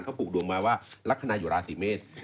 เขาปลูกดวงมาว่าลักษณะอยู่ราศีเมษ